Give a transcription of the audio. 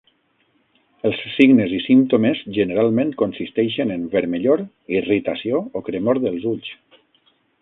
Els signes i símptomes generalment consisteixen en vermellor, irritació o cremor dels ulls.